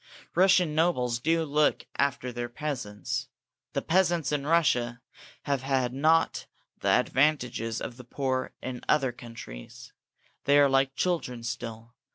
Russian nobles do look after their peasants. The peasants in Russia have not had the advantages of the poor in other countries. They are like children still.